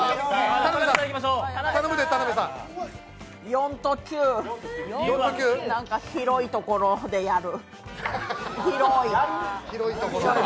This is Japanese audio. ４と９、なんか広いところでやる。